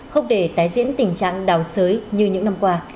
không để tái diễn tình trạng đào sới như những năm qua